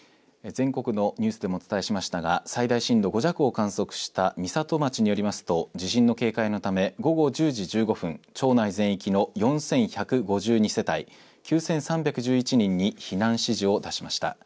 全国のニュースでもお伝えしましたが、最大震度５弱を観測した美里町によりますと地震の警戒のため午後１０時１５分町内全域の４１５２世帯９３１１人に避難指示を出しました。